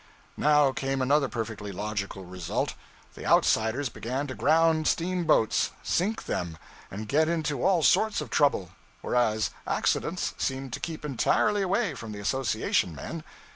Now came another perfectly logical result. The outsiders began to ground steamboats, sink them, and get into all sorts of trouble, whereas accidents seemed to keep entirely away from the association men.